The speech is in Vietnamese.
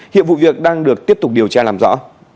hiện vụ việc đang được tiếp tục điều tra làm rõ